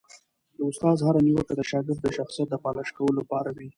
د استاد هره نیوکه د شاګرد د شخصیت د پالش کولو لپاره وي.